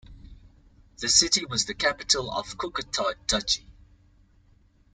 The city was the capital of the Cükätaw Duchy.